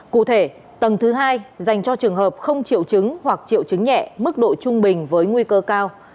cụ thể tầng thứ hai dành cho trường hợp không triệu chứng hoặc triệu chứng nhẹ mức độ trung bình với nguy cơ cao